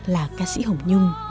là ca sĩ hồng nhung